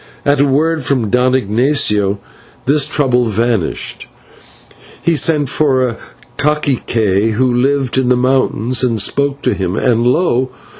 At a word from Don Ignatio this trouble vanished. He sent for a /cacique/, who lived in the mountains, and spoke to him, and lo!